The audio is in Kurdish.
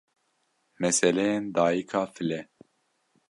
meseleyên Dayika File